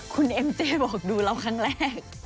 คุณเอ็มเต้บอกดูเราครั้งแรก